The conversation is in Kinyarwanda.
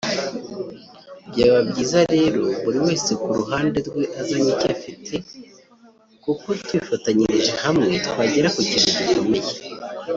Byaba byiza rero buri wese ku ruhande rwe azanye icyo afite kuko tubifatanyirije hamwe twagera ku kintu gikomeye”